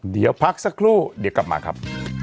เดี๋ยวพักสักครู่เดี๋ยวกลับมาครับ